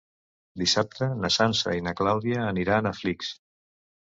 Dissabte na Sança i na Clàudia aniran a Flix.